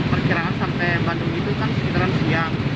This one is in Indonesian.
perkiraan sampai bandung itu kan sekitaran siang